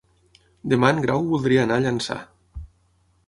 Demà en Grau voldria anar a Llançà.